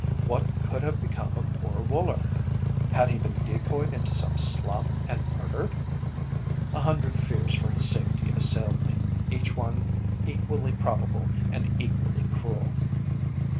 What could have become of poor Woller? Had he been decoyed into some slum and murdered? A hundred fears for his safety assailed me, each one equally probable and equally cruel.